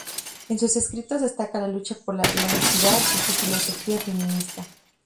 En sus escritos destaca la lucha por la laicidad y su filosofía feminista.